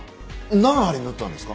何針縫ったんですか？